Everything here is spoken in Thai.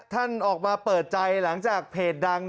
ท่านออกมาเปิดใจหลังจากเพจดัง